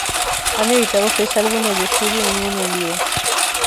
Han editado seis álbumes de estudio y uno en vivo.